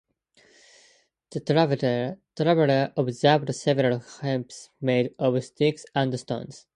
The traveler observed several heaps made of sticks and stones.